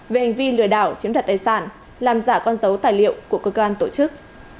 về hành vi lừa đảo chiếm đặt tài sản làm giả con dấu tài liệu của cơ quan tổ chức